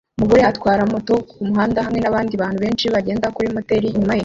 Umugore atwara moto kumuhanda hamwe nabandi bantu benshi bagenda kuri moteri inyuma ye